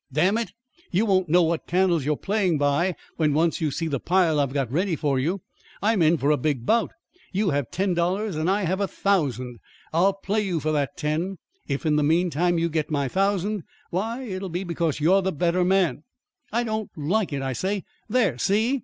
"Damn it! you won't know what candles you are playing by when once you see the pile I've got ready for you. I'm in for a big bout. You have ten dollars and I have a thousand. I'll play you for that ten. If, in the meantime, you get my thousand, why, it'll be because you're the better man." "I don't like it, I say. There, SEE!"